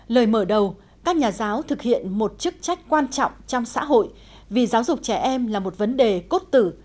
lời mở đầu các nhà giáo thực hiện một chức trách quan trọng trong xã hội vì giáo dục trẻ em là một vấn đề cốt tử